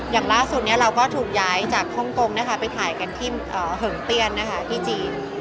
อย่างล่าสุดเนี่ยเราก็ถูกย้ายจากโฮงโกงนะคะไปถ่ายกันที่เหิงเตียนนะคะที่จีน